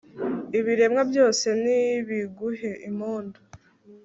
ibiremwa byose nibiguhe impundu